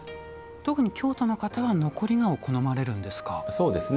特に京都の方は残り香を好まれるんですか？